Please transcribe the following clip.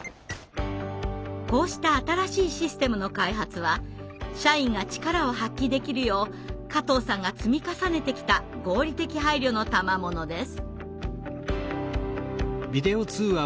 こうした新しいシステムの開発は社員が力を発揮できるよう加藤さんが積み重ねてきた合理的配慮のたまものです。